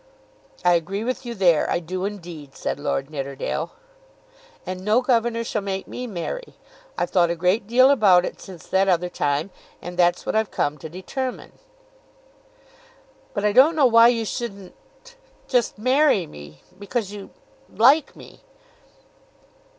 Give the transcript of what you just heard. "I agree with you there; I do indeed," said Lord Nidderdale. "And no governor shall make me marry. I've thought a great deal about it since that other time, and that's what I've come to determine." "But I don't know why you shouldn't just marry me because you like me."